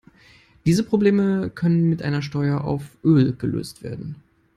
Diese Probleme können mit einer Steuer auf Öl gelöst werden.